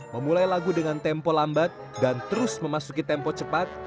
memulai lagu dengan tempo lambat dan terus memasuki tempo cepat